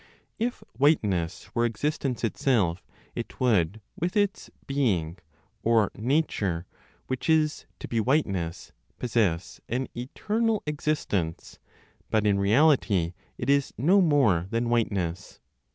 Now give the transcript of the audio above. If whiteness were existence itself, it would, with its "being" (or nature) (which is, to be whiteness), possess an eternal existence; but, in reality, it is no more than whiteness.